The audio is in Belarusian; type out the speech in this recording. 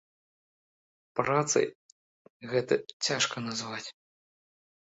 Працай гэта цяжка назваць.